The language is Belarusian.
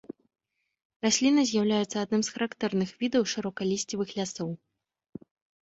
Расліна з'яўляецца адным з характэрных відаў шырокалісцевых лясоў.